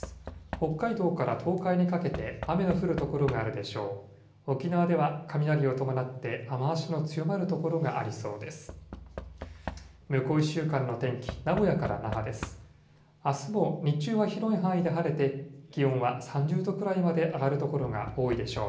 北海道から東海にかけて雨の降る所があるでしょう。